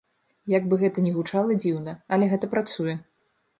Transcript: Як бы гэта ні гучала дзіўна, але гэта працуе.